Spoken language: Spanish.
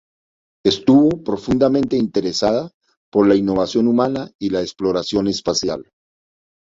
Estuvo profundamente interesada por la innovación humana y la exploración espacial.